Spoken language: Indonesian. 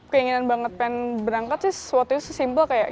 keinginan banget pengen berangkat sih suatu itu sesimpel kayak